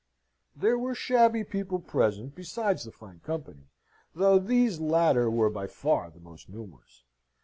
There were shabby people present, besides the fine company, though these latter were by far the most numerous.